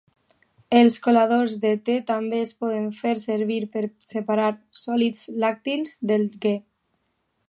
Els coladors de te també es poden fer servir per separar sòlids làctics del ghee.